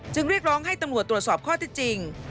เรียกร้องให้ตำรวจตรวจสอบข้อที่จริง